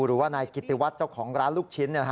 หรือว่านายกิติวัตรเจ้าของร้านลูกชิ้น